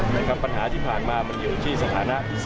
แต่คำปัญหาที่ผ่านมามันอยู่ทรีย์สถานะพิเศษ